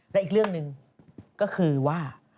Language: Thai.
และอีกเรื่องหนึ่งก็คือว่า